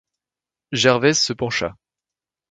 Gervaise se pencha.